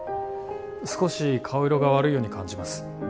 少し顔色が悪いように感じます